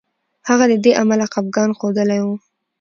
هغه له دې امله خپګان ښودلی وو.